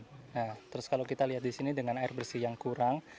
nah terus kalau kita lihat di sini dengan air bersih yang kurang